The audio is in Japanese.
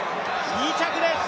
２着です。